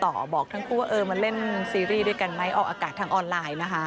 บอกทั้งคู่ว่าเออมาเล่นซีรีส์ด้วยกันไหมออกอากาศทางออนไลน์นะคะ